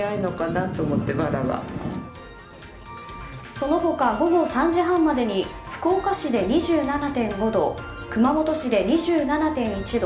その他、午後３時半までに福岡市で２７．５度熊本市で２７．１度